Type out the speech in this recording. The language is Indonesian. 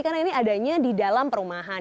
karena ini adanya di dalam perumahan